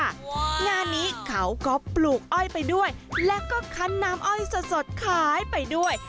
งานนี้เขาก็ปลูกอ้อยไปด้วยแล้วก็คันน้ำอ้อยสดขายไปด้วย